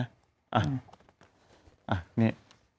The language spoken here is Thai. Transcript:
อ่ะนี่